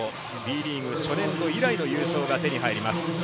Ｂリーグ初年度以来の優勝が手に入ります。